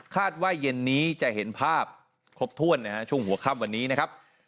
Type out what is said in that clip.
ว่าเย็นนี้จะเห็นภาพครบถ้วนนะฮะช่วงหัวค่ำวันนี้นะครับ